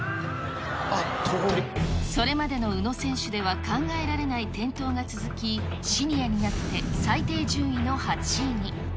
それまでの宇野選手では考えられない転倒が続き、シニアになって最低順位の８位に。